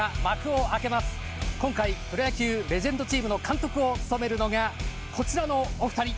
今回プロ野球レジェンドチームの監督を務めるのがこちらのお二人。